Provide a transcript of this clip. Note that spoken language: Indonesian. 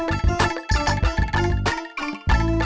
kalau tidak kamu harus melewati peninggalan